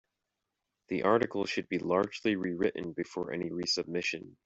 The article should be largely rewritten before any resubmission.